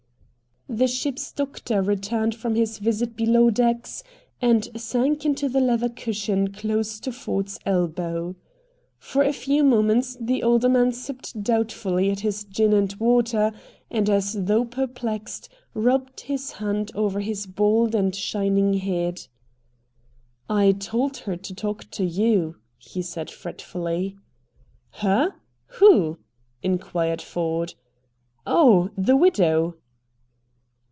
The ship's doctor returned from his visit below decks and sank into the leather cushion close to Ford's elbow. For a few moments the older man sipped doubtfully at his gin and water, and, as though perplexed, rubbed his hand over his bald and shining head. "I told her to talk to you," he said fretfully. "Her? Who?" inquired Ford. "Oh, the widow?"